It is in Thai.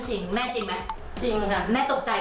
จริงอันนี้เรื่องจริง